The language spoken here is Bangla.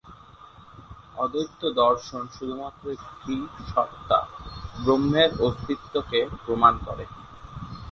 অদ্বৈত দর্শন শুধুমাত্র একটি সত্ত্বা, ব্রহ্মের অস্তিত্বকে প্রমাণ করে।